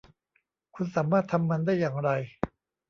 คุณสามารถทำมันได้อย่างไร